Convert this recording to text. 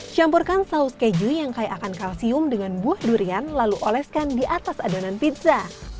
campurkan saus keju yang kaya akan kalsium dengan buah durian lalu oleskan di atas adonan pizza